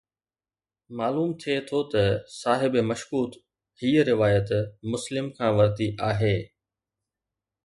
معلوم ٿئي ٿو ته صاحب مشڪوت هيءَ روايت مسلم کان ورتي آهي